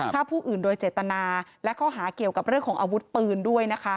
ฆ่าผู้อื่นโดยเจตนาและข้อหาเกี่ยวกับเรื่องของอาวุธปืนด้วยนะคะ